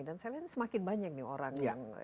dan saya lihat semakin banyak nih orang